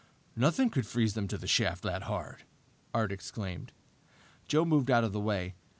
"Nothing could freeze them to the shaft that hard," Art exclaimed. Joe moved out of the way.